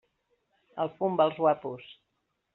El fum va als guapos.